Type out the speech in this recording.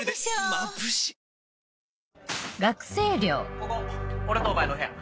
ここ俺とお前の部屋。